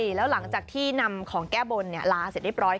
แล้วหลังจากที่นำของแก้บนลาเสร็จเรียบร้อย